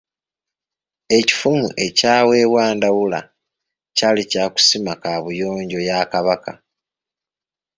EKifumu ekyaweebwa Ndawula kyali kya kusima kaabuyonjo ya Kabaka.